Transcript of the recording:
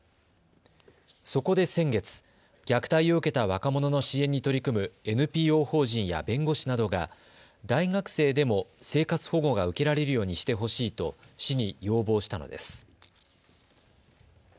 そこで先月、虐待を受けた若者の支援に取り組むＮＰＯ法人や弁護士などが大学生でも生活保護が受けられるようにしてほしいと市に要望したのです。